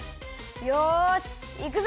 よしいくぞ！